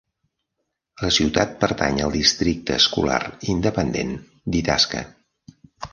La ciutat pertany al districte escolar independent d'Itasca.